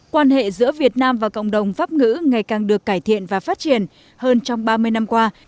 quan hệ giữa việt nam và cộng đồng pháp ngữ ngày càng được cải thiện và phát triển hơn trong ba mươi năm qua